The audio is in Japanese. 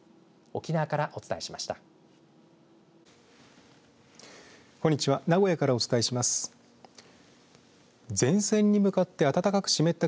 沖縄からお伝えしました。